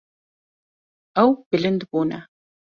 Ew bilind bûne.